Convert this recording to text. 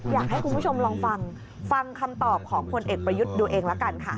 อยากให้คุณผู้ชมลองฟังฟังคำตอบของพลเอกประยุทธ์ดูเองละกันค่ะ